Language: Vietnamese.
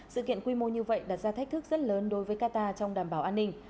sự kiện quy mô như vậy đặt ra thách thức rất lớn đối với qatar trong đảm bảo an ninh